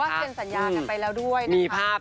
เซ็นสัญญากันไปแล้วด้วยนะครับ